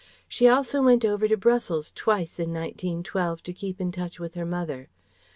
She also went over to Brussels twice in 1912 to keep in touch with her mother. Mrs.